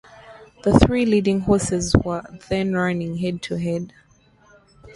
The three leading horses were then running head to head.